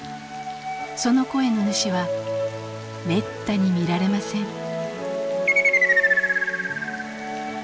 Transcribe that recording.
その声の主はめったに見られません。